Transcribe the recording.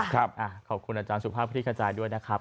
ขอบคุณอาจารย์สุภาพคลิกขจายด้วยนะครับ